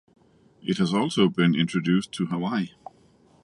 It has also been introduced to Hawaii.